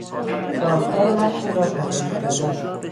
ساختار متنی را تحریف کردن